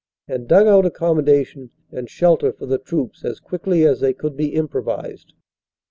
and dug out accommodation and shelter for the troops as quickly as they could be improvised.